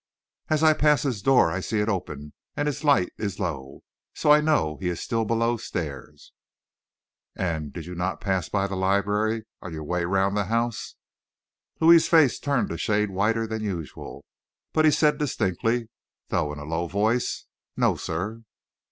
"As I pass his door, I see it open, and his light low, so I know he is still below stair." "And you did not pass by the library on your way round the house?" Louis's face turned a shade whiter than usual, but he said distinctly, though in a low voice, "No, sir."